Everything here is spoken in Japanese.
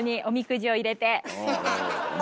おみくじ入れて。